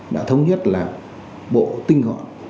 đã thống nhất là bộ tinh gọi